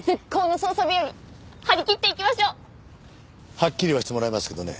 はっきり言わせてもらいますけどね